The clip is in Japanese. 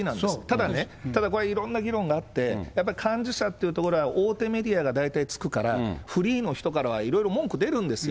ただね、ただこれ、いろんな議論があって、やっぱり幹事社ってところは、大手メディアが大体つくから、フリーの人からはいろいろ文句出るんですよ。